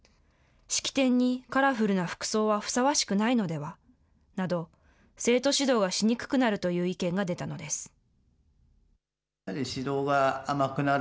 式典にカラフルな服装はふさわしくないのではなど、生徒指導がしにくくなるという意見が出たのです。